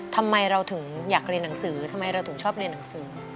ทำไมเราถึงอยากเรียนหนังสือทำไมเราถึงชอบเรียนหนังสือ